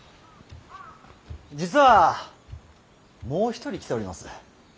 実はもう一人来ております。